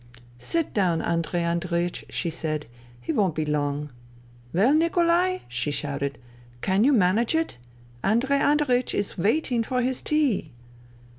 " Sit down, Andrei Andreiech," she said, " he won't be long. Well, Nikolai," she shouted, "can you manage it ? Andrei Andreiech is waiting for his tea."